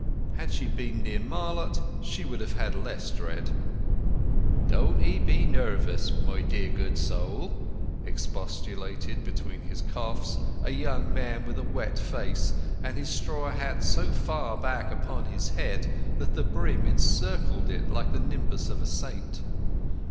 Had she been near Marlott she would have had less dread. "Don't ye be nervous, my dear good soul," expostulated, between his coughs, a young man with a wet face and his straw hat so far back upon his head that the brim encircled it like the nimbus of a saint.